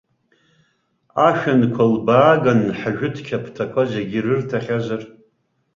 Ашәанқәа лбааган ҳжәытә қьаԥҭақәа зегьы рырҭахьазар?